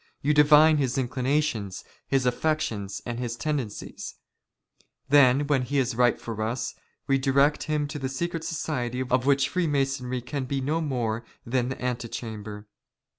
You divine his inclinations, his affections, and his *' tendencies ; then, when he is ripe for us, we direct him to the " secret society of which Freemasonry can be no more than the " antechamber.